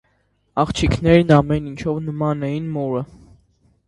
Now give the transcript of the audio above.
Աղջիկներն ամեն ինչով նման էին մորը։